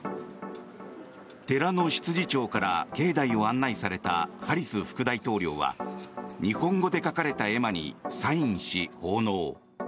寺の執事長から境内を案内されたハリス副大統領は日本語で書かれた絵馬にサインし奉納。